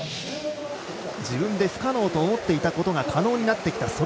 自分で不可能と思っていたことが可能になってきた。